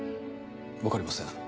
分かりません